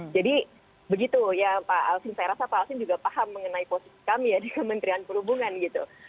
jadi begitu ya pak alsin saya rasa pak alsin juga paham mengenai posisi kami ya di kementerian perhubungan gitu